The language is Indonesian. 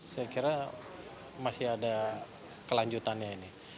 saya kira masih ada kelanjutannya ini